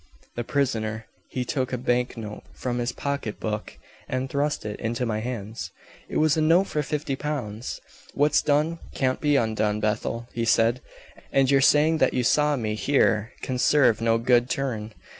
"The prisoner. He took a bank note from his pocket book, and thrust it into my hands. It was a note for fifty pounds. 'What's done can't be undone, Bethel,' he said, 'and your saying that you saw me here can serve no good turn.